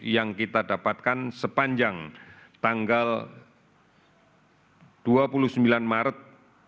yang kita dapatkan sepanjang tanggal dua puluh sembilan maret